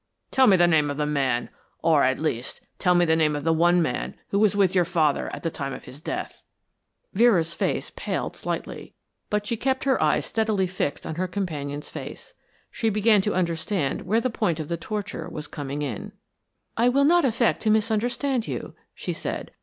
Tell me the name of the man, or, at least, tell me the name of the one man who was with your father at the time of his death." Vera's face paled slightly, but she kept her eyes steadily fixed on her companion's face. She began to understand where the point of the torture was coming in. "I will not affect to misunderstand you," she said.